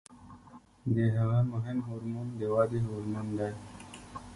د هغې مهم هورمون د ودې هورمون دی.